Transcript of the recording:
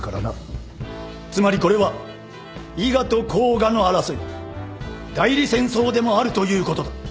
つまりこれは伊賀と甲賀の争い代理戦争でもあるということだ。